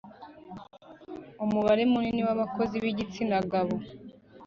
umubare munini wabakozi b’igitsinagabo,